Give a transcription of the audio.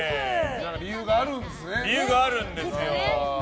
何か理由があるんですね。